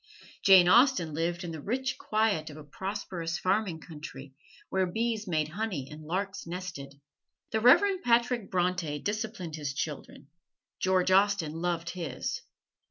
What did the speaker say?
Jane Austen lived in the rich quiet of a prosperous farming country, where bees made honey and larks nested. The Reverend Patrick Bronte disciplined his children: George Austen loved his.